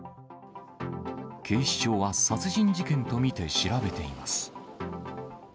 警視庁は殺人事件と見て調べています。